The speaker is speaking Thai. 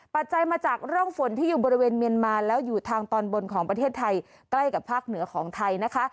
ปัจจัยมาจากร่องฝนที่อยู่บริเวณเมียนมาแล้วอยู่ทางตอนบนของประเทศไทยใกล้กับภาคเหนือของไทยนะคะ